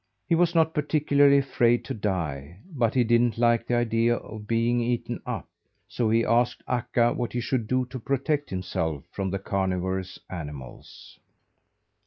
He was not particularly afraid to die, but he didn't like the idea of being eaten up, so he asked Akka what he should do to protect himself from the carnivorous animals.